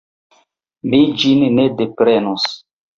Mi ĝin ne deprenos.